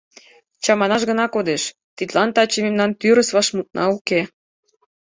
Чаманаш гына кодеш, тидлан таче мемнан тӱрыс вашмутна уке.